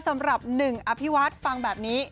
สำหรับหนึ่งอภิวัฒน์ฟังแบบนี้